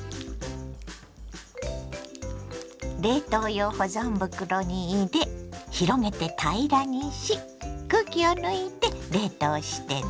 冷凍用保存袋に入れ広げて平らにし空気を抜いて冷凍してね。